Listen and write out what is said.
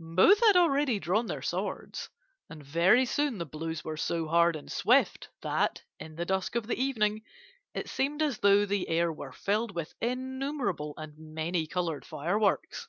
"Both had already drawn their swords, and very soon the blows were so hard and swift that, in the dusk of the evening, it seemed as though the air were filled with innumerable and many coloured fireworks.